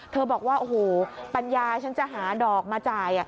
บอกว่าโอ้โหปัญญาฉันจะหาดอกมาจ่าย